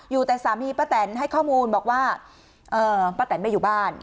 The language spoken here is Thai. อยู่แต่สามีป้าแตนให้ข้อมูลบอกว่าป้าแตนไม่อยู่บ้าน